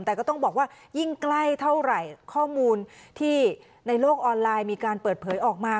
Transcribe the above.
แต่ก็ต้องบอกว่ายิ่งใกล้เท่าไหร่ข้อมูลที่ในโลกออนไลน์มีการเปิดเผยออกมา